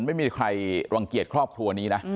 ไม่มีใครรังเกียจครอบครัวนี้นะ